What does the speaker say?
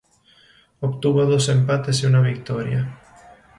Obtuvo dos empates y una victoria.